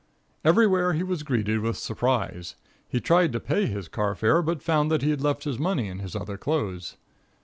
Everywhere he was greeted with surprise. He tried to pay his car fare, but found that he had left his money in his other clothes.